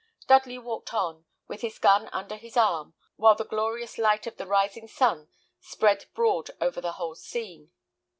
Dudley walked on, with his gun under his arm, while the glorious light of the rising sun spread broad over the whole scene.